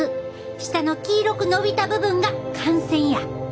下の黄色く伸びた部分が汗腺や！